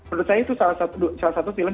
menurut saya itu salah satu film